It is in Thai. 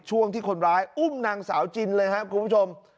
ช่วงที่คนร้ายอุ้มนางสาวจินเลยครับคุณผู้ชม